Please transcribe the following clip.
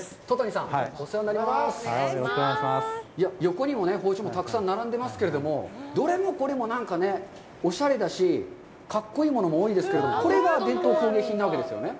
横にも包丁がたくさん並んでますけれども、どれもこれもおしゃれだし、格好いいものも多いんですけれどもこれが伝統工芸品ですよね？